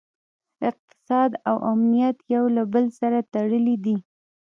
اقتصاد او امنیت یو له بل سره تړلي دي